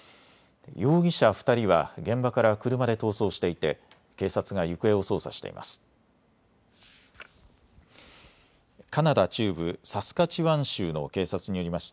容疑者２人は現場から車で逃走していて警察が行方を捜査しています。